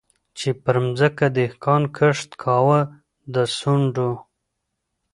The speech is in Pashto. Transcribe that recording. چي پر مځکه دهقان کښت کاوه د سونډو